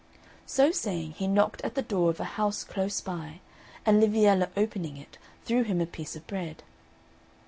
So saying, he knocked at the door of a house close by, and Liviella opening it threw him a piece of bread.